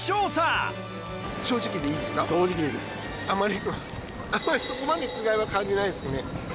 あまりあまりそこまで違いは感じないですね。